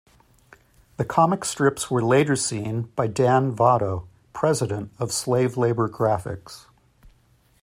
The comic strips were later seen by Dan Vado, president of Slave Labor Graphics.